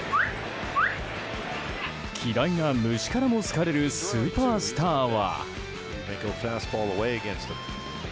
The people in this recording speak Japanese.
嫌いな虫からも好かれるスーパースターは。